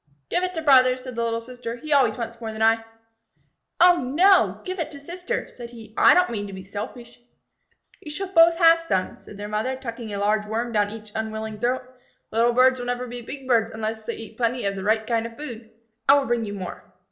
"Give it to Brother," said the little sister. "He always wants more than I." "Oh, no. Give it to Sister," said he. "I don't mean to be selfish." "You shall both have some," said their mother, tucking a large Worm down each unwilling throat. "Little birds will never be big birds unless they eat plenty of the right kind of food. I will bring you more."